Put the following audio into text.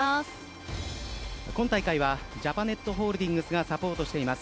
今大会はジャパネットホールディングスがサポートしています。